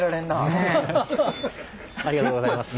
ありがとうございます。